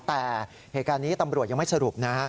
แต่เหตุการณ์นี้ตำรวจยังไม่สรุปนะฮะ